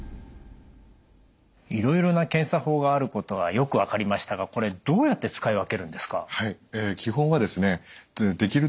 いろいろな検査法があることはよく分かりましたがこれどうやって使い分けるんですか？